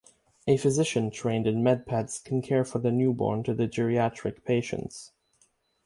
A physician trained in Med-Peds can care for the newborn to the geriatric patients.